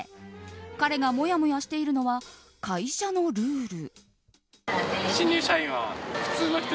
彼がもやもやしているのは会社のルール。